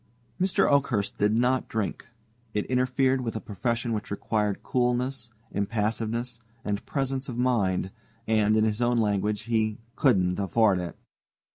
Mr. Oakhurst did not drink. It interfered with a profession which required coolness, impassiveness, and presence of mind, and, in his own language, he "couldn't afford it."